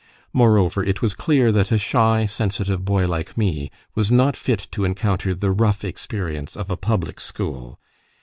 Moreover, it was clear that a shy, sensitive boy like me was not fit to encounter the rough experience of a public school.